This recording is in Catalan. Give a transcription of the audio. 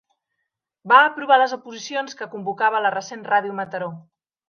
Va aprovar les oposicions que convocava la recent Ràdio Mataró.